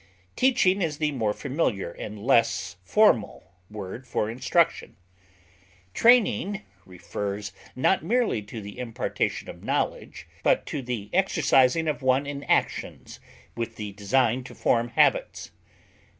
Teaching is the more familiar and less formal word for instruction. Training refers not merely to the impartation of knowledge, but to the exercising of one in actions with the design to form habits.